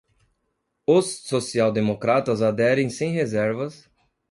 os social-democratas aderem sem reservas